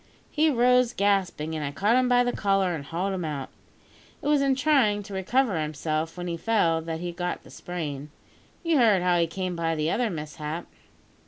He rose gasping, and I caught him by the collar and hauled him out. It was in trying to recover himself when he fell that he got the sprain. You've heard how he came by the other mishap?"